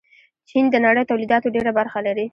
چین د نړۍ تولیداتو ډېره برخه لري.